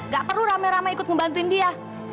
gak perlu rame rame ikut membantu dia